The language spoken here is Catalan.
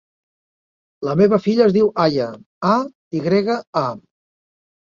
La meva filla es diu Aya: a, i grega, a.